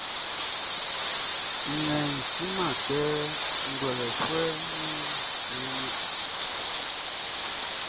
Nnɛnʼn siman kɛ ngwlɛlɛfuɛʼn wun ɲrɛnnɛn.